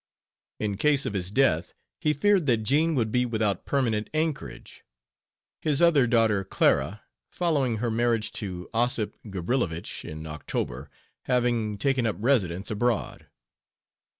In case of his death he feared that Jean would be without permanent anchorage, his other daughter, Clara following her marriage to Ossip Gabrilowitsch in October having taken up residence abroad.